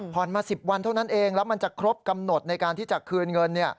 มา๑๐วันเท่านั้นเองแล้วมันจะครบกำหนดในการที่จะคืนเงิน